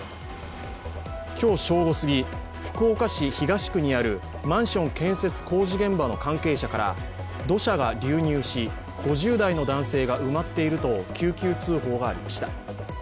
今日正午すぎ、福岡市東区にあるマンション工事現場の関係者から土砂が流入し、５０代の男性が埋まっていると救急通報がありました。